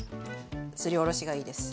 すりおろしがいいです。